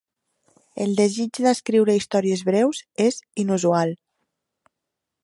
El desig d'escriure històries breus és inusual.